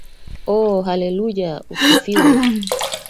Ooh hallelujah usifiwe